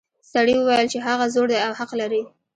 سړي وویل چې هغه زوړ دی او حق لري.